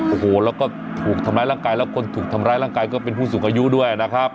โอ้โหแล้วก็ถูกทำร้ายร่างกายแล้วคนถูกทำร้ายร่างกายก็เป็นผู้สูงอายุด้วยนะครับ